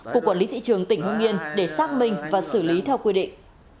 của quản lý thị trường tỉnh hưng yên để xác minh và xử lý theo quy định